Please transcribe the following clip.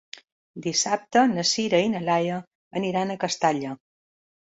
Dissabte na Sira i na Laia aniran a Castalla.